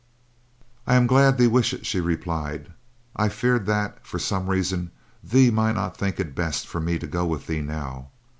"I am glad thee wish it," she replied. "I feared that, for some reason, thee might not think it best for me to go with thee now.